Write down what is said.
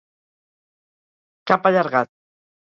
Cap allargat.